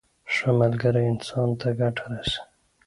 ښه ملګری انسان ته ګټه رسوي.